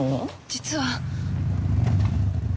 実は。